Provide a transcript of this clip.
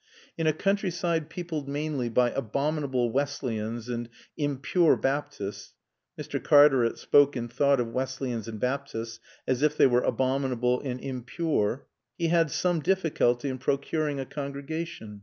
In a countryside peopled mainly by abominable Wesleyans and impure Baptists (Mr. Cartaret spoke and thought of Wesleyans and Baptists as if they were abominable and impure pure) he had some difficulty in procuring a congregation.